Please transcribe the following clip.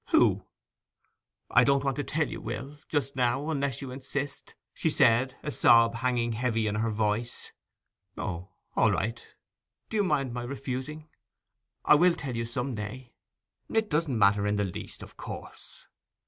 'Who?' 'I don't want to tell you, Will, just now, unless you insist!' she said, a sob hanging heavy in her voice. 'O, all right.' 'Do you mind my refusing? I will tell you some day.' 'It doesn't matter in the least, of course.